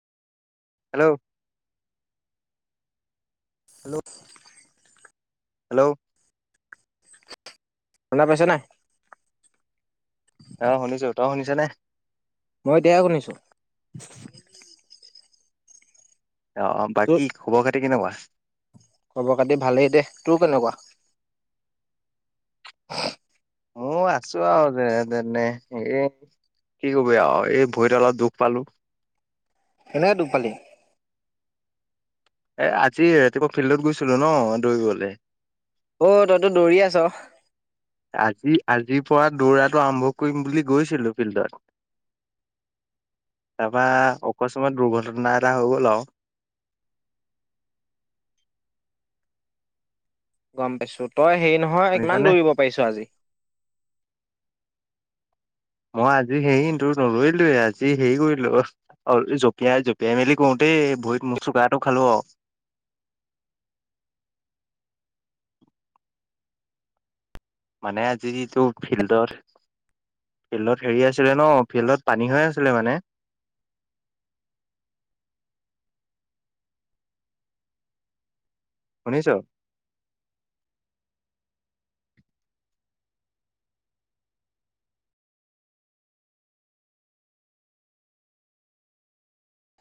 Hello hello hello শুনা পাইছ নাই? আহ শুনিছো তই শুনিছ নে। মই এতিয়াহে শুনিছো। অ অ তোৰ বাকী খবৰ খাতি। এতিয়া কেনেকুৱা খবৰ খাতি ভালেই দে তোৰ কেনেকুৱা? হো মই আছো আৰু যে তেনে এই কি কবি আৰু এই ভৰি ডালত দুখ পালো। কেনেকে দুখ পালি এ আজি ৰাতিপুৱা ফিল্ডত গৈছিলো ন দৌৰিবলৈ অ তইতো দৌৰি আছ আজি আজিৰ পৰা দৌৰাটো আৰম্ভ কৰিম বুলি গৈছিলো ফিল্ডত, তাৰপা অকস্মাত দুৰ্ঘটনা এটা হৈ গল আৰু গম পাইছো তই হেৰি নহয় ইমান শুনিছানে দৌৰিব পাৰিছো আজি মই আজি হেৰি ত নদৌৰিলোঁ য়ে, আজি হেৰি কৰিলো অ জঁপিয়াই জঁপিয়াই মেলি কৰোঁতেই ভৰিত মোচোকাটো খালো আৰু। মানে আজিটো ফিল্ডত ফিল্ডত হেৰি আছিলে ন ফিল্ডত পানী হৈ আছিলে মানে। শুনিছ